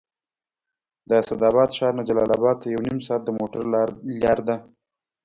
د اسداباد ښار نه جلال اباد ته یو نیم ساعت د موټر لاره ده